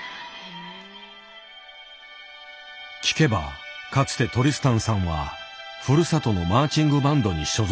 聞けばかつてトリスタンさんはふるさとのマーチングバンドに所属。